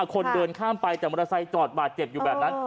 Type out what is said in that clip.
คนเดินข้ามไปแต่มอเตอร์ไซค์จอดบาดเจ็บอยู่แบบนั้น